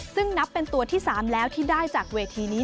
ซึ่งนับเป็นตัวที่๓แล้วที่ได้จากเวทีนี้